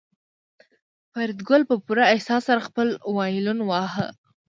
فریدګل په پوره احساس سره خپل وایلون واهه